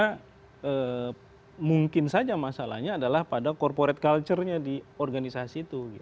karena mungkin saja masalahnya adalah pada corporate culture nya di organisasi itu